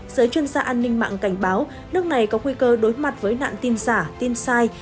giới chuyên gia an ninh mạng cảnh báo nước này có nguy cơ đối mặt với nạn tin giả tin sai